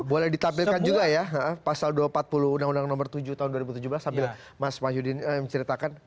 boleh ditampilkan juga ya pasal dua ratus empat puluh undang undang nomor tujuh tahun dua ribu tujuh belas sambil mas wahyudin menceritakan